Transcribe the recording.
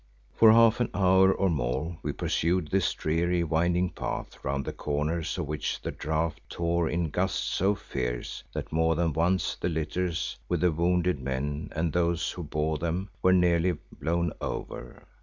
For half an hour or more we pursued this dreary, winding path round the corners of which the draught tore in gusts so fierce that more than once the litters with the wounded men and those who bore them were nearly blown over.